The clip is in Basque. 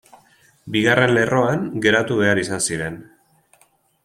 Bigarren lerroan geratu behar izan ziren.